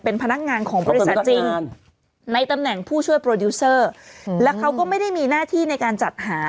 เป็นพนักงานของบริษัทจริงในตำแหน่งผู้ช่วยโปรดิวเซอร์แล้วเขาก็ไม่ได้มีหน้าที่ในการจัดหา